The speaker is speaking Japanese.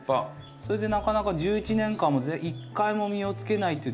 それでなかなか１１年間も１回も実をつけないっていう。